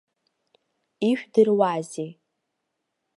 Ижәдыруазеи.